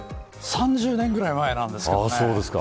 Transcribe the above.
３０年ぐらい前なんですけどね。